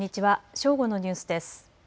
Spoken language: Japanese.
正午のニュースです。